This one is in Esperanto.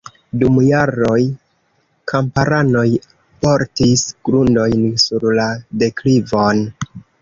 Dum jaroj kamparanoj portis grundojn sur la deklivon.